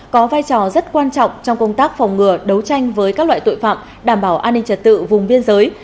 nó rất quan trọng trong công tác phòng ngừa đấu tranh với các loại tội phạm đảm bảo an ninh trật tự vùng biên giới